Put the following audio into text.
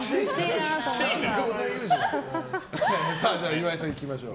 岩井さん、いきましょう。